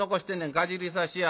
かじりさしや。